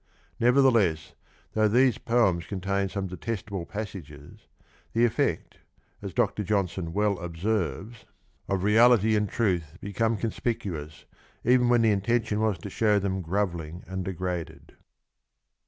Nevertheless, though these Poems contain some detestable passages, the effect, as Dr. Johnson well observes, " of reality and truth become conspicuous, even when the intention was to show them grovelling and degraded."